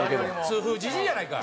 痛風じじいやないか！